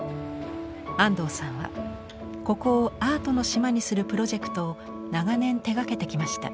安藤さんはここをアートの島にするプロジェクトを長年手がけてきました。